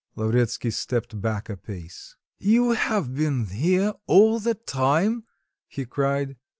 Lavretsky stepped back a pace. "You have been here all the time!" he cried.